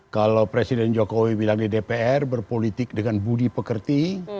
kalau presiden jokowi bilang di dpr berpolitik dengan budi pekerti